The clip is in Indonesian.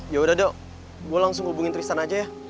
ya udah dok gua langsung hubungin tristan aja ya